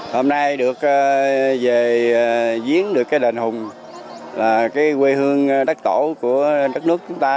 hôm nay được về diễn được cái đền hùng là cái quê hương đất tổ của đất nước chúng ta